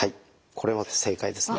これは正解ですね。